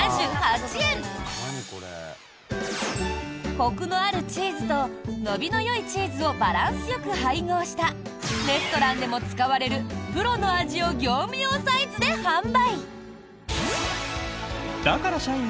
コクのあるチーズと伸びのよいチーズをバランスよく配合したレストランでも使われるプロの味を業務用サイズで販売。